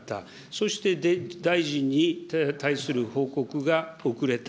そして、大臣に対する報告が遅れた。